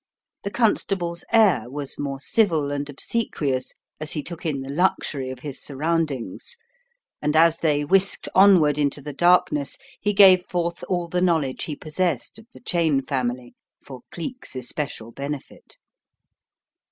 The constable's air was more civil and obsequious as he took in the luxury of his surround ings, and as they whisked onward into the darkness he gave forth all the knowledge he possessed of the Cheyne family for Cleek's especial benefit.